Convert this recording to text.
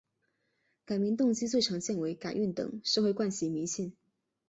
改名动机最常见为改运等社会惯习迷信。